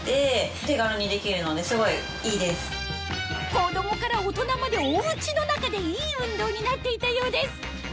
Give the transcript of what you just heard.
子供から大人までお家の中でいい運動になっていたようです